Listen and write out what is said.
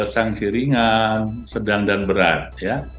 sanksi ringan sedang dan berat ya